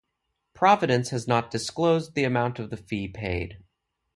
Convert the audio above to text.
Providence has not disclosed the amount of the fee paid.